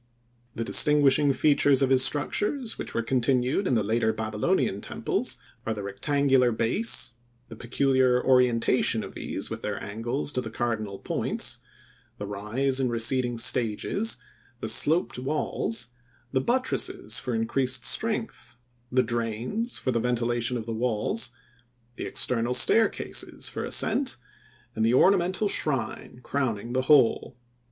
The distinguishing features of his structures which were continued in the later Babylonian temples, are the rectangular base, the peculiar orientation of these with their angles to the cardinal points, the rise in receding stages, the sloped walls, the buttresses for increased strength, the drains for the ventilation of the walls, the external staircases for ascent and the ornamental shrine crowning the whole.